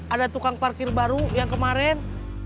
ada tukang parkir baru yang kemarin